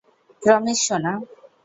Promise, সোনা।